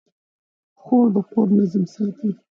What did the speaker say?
خور د کور نظم ساتي.